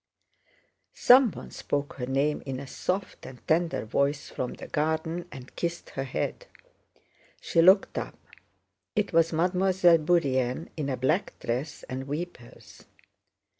Someone spoke her name in a soft and tender voice from the garden and kissed her head. She looked up. It was Mademoiselle Bourienne in a black dress and weepers.